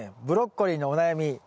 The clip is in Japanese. ブロッコリーのお悩み